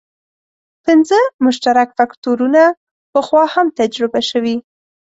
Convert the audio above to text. پنځه مشترک فکټورونه پخوا هم تجربه شوي.